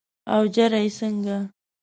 اوجره یې څنګه؟